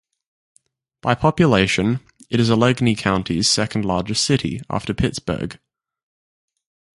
By population, it is Allegheny County's second-largest city, after Pittsburgh.